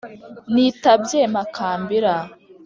Nitabye Makambira ;